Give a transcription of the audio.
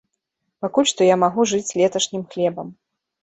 Пакуль што я магу жыць леташнім хлебам.